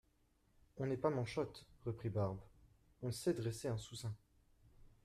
On n'est pas manchote, reprit Barbe, on sait dresser un sous-seing.